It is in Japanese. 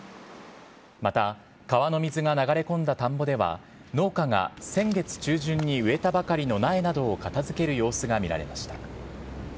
また川の水が流れ込んだ田んぼでは、農家が先月中旬に植えたばかりの苗などを片づける様子が見られました。